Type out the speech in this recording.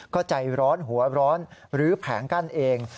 ก็ใจร้อนหัวร้อนหรือแผงกั้นเอง